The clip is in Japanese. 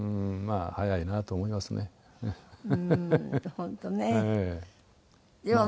本当ね。